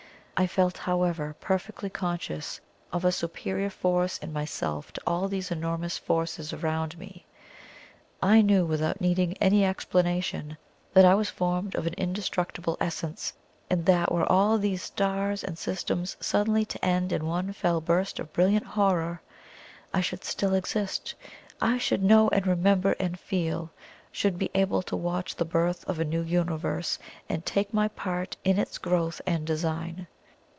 I felt, however, perfectly conscious of a superior force in myself to all these enormous forces around me I knew without needing any explanation that I was formed of an indestructible essence, and that were all these stars and systems suddenly to end in one fell burst of brilliant horror, I should still exist I should know and remember and feel should be able to watch the birth of a new Universe, and take my part in its growth and design.